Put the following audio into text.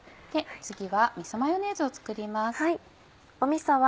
次はみそマヨネーズを作ります。